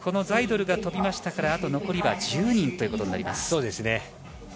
ザイドルが飛びましたからあと残りは１０人ということになります。